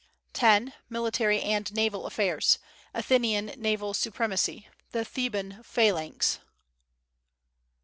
10. Military and naval affairs. Athenian naval supremacy. The Theban phalanx.